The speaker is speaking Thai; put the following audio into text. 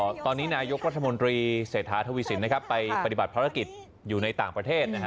เนี่ยครับตอนนี้นายกวัฒนมนตรีเศรษฐาถวิสินไปปฏิบัติภารกิจอยู่ในต่างประเทศ